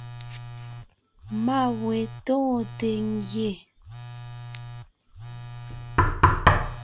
Má we tóonte ngie.